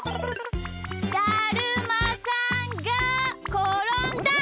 だるまさんがころんだ！